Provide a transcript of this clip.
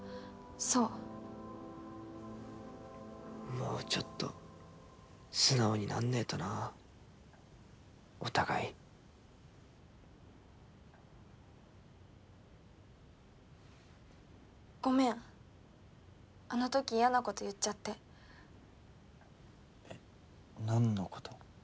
そうもうちょっと素直になんねえとなお互いごめんあのとき嫌なこと言っちゃってえっなんのこと？